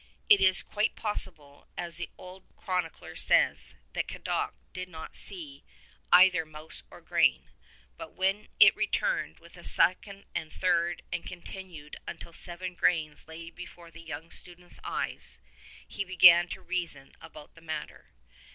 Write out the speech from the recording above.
It is quite possible, as the old chronicler says, that Cadoc did not see I2I either mouse or grain, but when it returned with a second and a third and continued until seven grains lay before the young student's eyes, he began to reason about the matter.